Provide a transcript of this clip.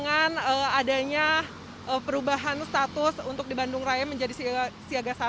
dengan adanya perubahan status untuk di bandung raya menjadi siaga satu